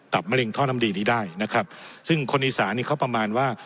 มะเร็งท่อน้ำดีนี้ได้นะครับซึ่งคนอีสานนี่เขาประมาณว่า